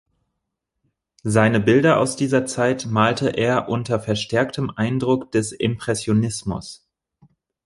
Seine Bilder aus dieser Zeit malte er unter verstärktem Eindruck des Impressionismus.